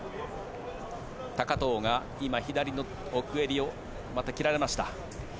高藤が今、左の奥襟をまた切られました。